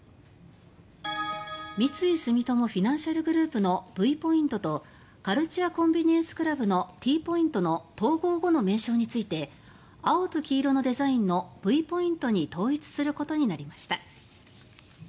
三井住友フィナンシャルグループのＶポイントとカルチュア・コンビニエンス・クラブのＴポイントの統合後の名称について青と黄色のデザインのＶポイントに統一することになりました。